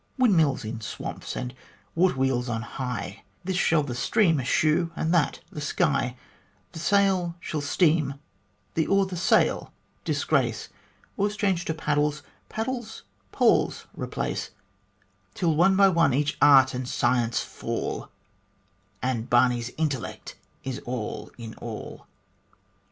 Windmills in swamps and water wheels on high, This shall the stream eschew and that the sky ; The sail shall steam, the oar the sail disgrace, Oars change to paddles, paddles poles replace, Till one by one each art and science fall, And Barney's intellect is all in all.